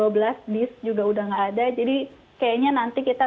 bis juga udah nggak ada jadi kayaknya nanti kita